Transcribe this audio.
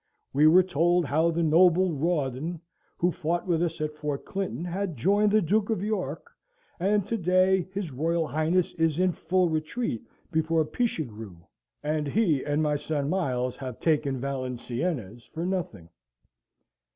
We were told how the noble Rawdon, who fought with us at Fort Clinton, had joined the Duke of York: and to day his Royal Highness is in full retreat before Pichegru: and he and my son Miles have taken Valenciennes for nothing!